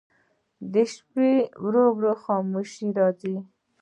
د شپې ورو ورو خاموشي راځي.